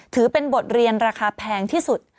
ถือเป็นบทเรียนราคาแพงที่สุด